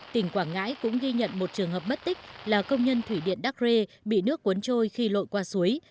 tỉnh quảng ngãi cũng ghi nhận một trường hợp mất tích là công nhân thủy điện đắc rê bị nước cuốn trôi khi lội qua suối